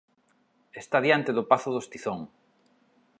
Está diante do pazo dos Tizón.